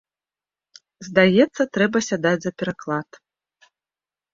Здаецца, трэба сядаць за пераклад.